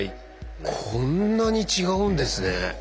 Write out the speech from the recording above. こんなに違うんですね。